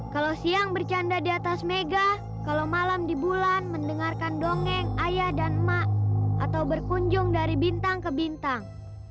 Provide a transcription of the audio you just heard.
kalau siang bercanda di atas mega kalau malam di bulan mendengarkan dongeng ayah dan mak atau berkunjung dari bintang ke bintang